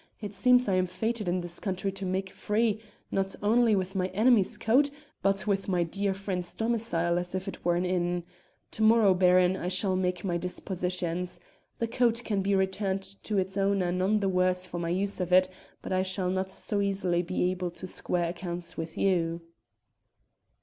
It seems I am fated in this country to make free, not only with my enemy's coat, but with my dear friend's domicile as if it were an inn. To morrow, Baron, I shall make my dispositions. The coat can be returned to its owner none the worse for my use of it, but I shall not so easily be able to square accounts with you."